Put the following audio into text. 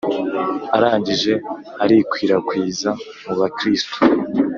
arangije arikwirakwiza mu bakristu.